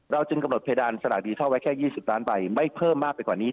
จึงกำหนดเพดานสลากดิทัลไว้แค่๒๐ล้านใบไม่เพิ่มมากไปกว่านี้